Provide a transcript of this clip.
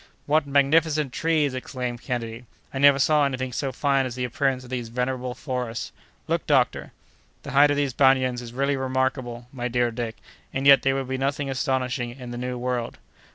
"What magnificent trees!" exclaimed Kennedy. "I never saw any thing so fine as the appearance of these venerable forests. Look, doctor!" "The height of these banyans is really remarkable, my dear Dick; and yet, they would be nothing astonishing in the New World."